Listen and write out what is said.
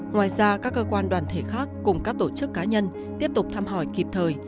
ngoài ra các cơ quan đoàn thể khác cùng các tổ chức cá nhân tiếp tục thăm hỏi kịp thời